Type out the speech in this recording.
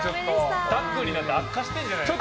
タッグになって悪化してるんじゃないですか。